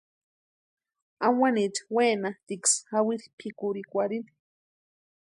Awanicha wenatʼiksï jawiri pʼikurhikwarhini.